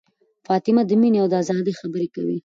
فاطمه د مینې او ازادۍ خبرې کوي.